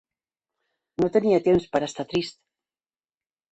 No tenia temps per estar trist